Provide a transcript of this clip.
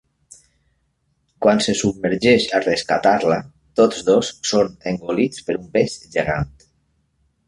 Quan se submergeix a rescatar-la, tots dos són engolits per un peix gegant.